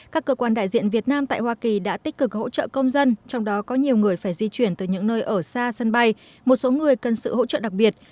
các cơ quan đại diện việt nam tại hoa kỳ đã tích cực hỗ trợ công dân trong đó có nhiều người phải di chuyển từ những nơi ở xa sân bay một số người cần sự hỗ trợ đặc biệt